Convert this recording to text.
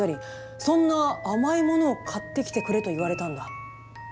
そんな甘いものを買ってきてくれと言われたんだ。